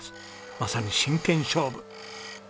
まさに真剣勝負。